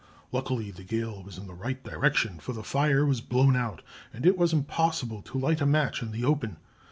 Luckily the gale was in the right direction, for the fire was blown out, and it was impossible to light a match in the open.